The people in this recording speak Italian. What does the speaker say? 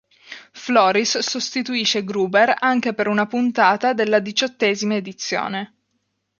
Floris sostituisce Gruber anche per una puntata della diciottesima edizione.